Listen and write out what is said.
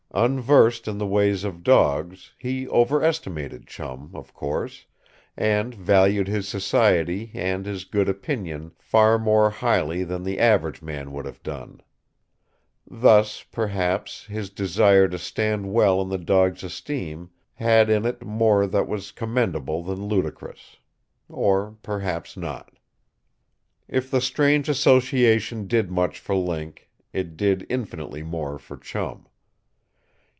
Unversed in the ways of dogs, he overestimated Chum, of course, and valued his society and his good opinion far more highly than the average man would have done. Thus, perhaps, his desire to stand well in the dog's esteem had in it more that was commendable than ludicrous. Or perhaps not. If the strange association did much for Link, it did infinitely more for Chum.